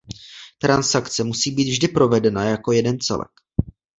Transakce musí být vždy provedena jako jeden celek.